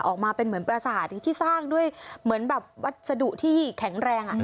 ออกมาเป็นเหมือนประสาทที่สร้างด้วยเหมือนแบบวัสดุที่แข็งแรง